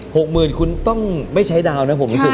หกหมื่นคุณต้องไม่ใช้ดาวนะผมรู้สึก